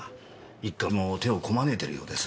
一課も手をこまねいているようです。